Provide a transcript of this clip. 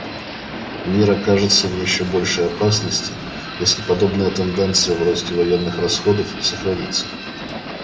Мир окажется еще в большей опасности, если подобная тенденция в росте военных расходов сохранится.